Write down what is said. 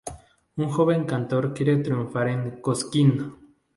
Un joven cantor quiere triunfar en Cosquín.